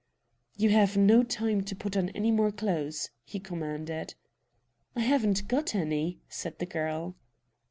"You've no time to put on any more clothes," he commanded. "I haven't got any!" said the girl.